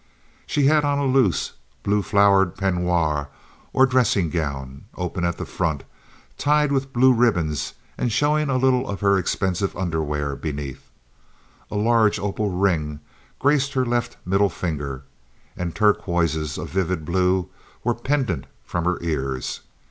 She had on a loose, blue flowered peignoir, or dressing gown, open at the front, tied with blue ribbons and showing a little of her expensive underwear beneath. A large opal ring graced her left middle finger, and turquoises of vivid blue were pendent from her ears.